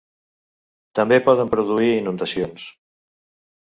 També poden produir inundacions.